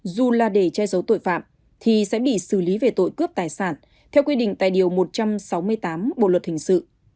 dù là để che giấu tội phạm thì sẽ bị xử lý về tội cướp tài sản theo quy định tại điều một trăm sáu mươi tám bộ luật hình sự